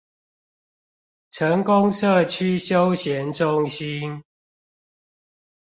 成功社區休閒中心